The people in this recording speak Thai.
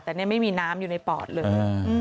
แต่นี่ไม่มีน้ำอยู่ในปอดเลย